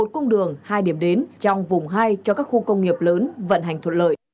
một cung đường hai điểm đến trong vùng hai cho các khu công nghiệp lớn vận hành thuận lợi